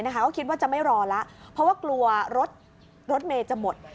ก็คิดว่าจะไม่รอแล้วเพราะว่ากลัวรถเมย์จะหมด